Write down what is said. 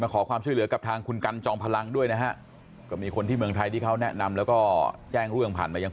มันทำให้สิ่งที่สุดท้ายเยอะแต่มันคือสิ่งที่สุดท้ายที่สุดท้ายของฉัน